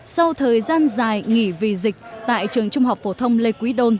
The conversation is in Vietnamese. sau thời gian dài nghỉ vì dịch tại trường trung học phổ thông lê quý đôn